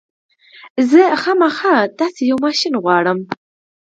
زه هرو مرو داسې يو ماشين غواړم.